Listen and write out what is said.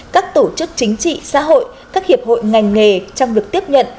các tổ chức chính trị xã hội các hiệp hội ngành nghề trong việc tiếp nhận